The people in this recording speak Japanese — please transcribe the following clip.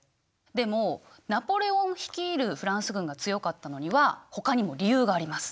でもナポレオン率いるフランス軍が強かったのにはほかにも理由があります。